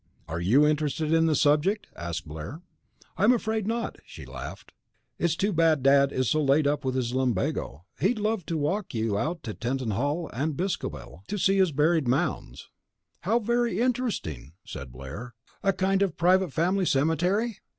"Are you interested in the subject?" asked Blair. "I'm afraid not," she laughed. "It's too bad Dad is so laid up with his lumbago. He'd love to walk you out to Tettenhall and Boscobel, to see his burial mounds." "How very interesting!" said Blair. "A kind of private family cemetery?"